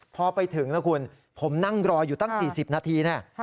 พอไปถึงนะคุณผมนั่งรออยู่ตั้ง๔๐นาทีเนี่ย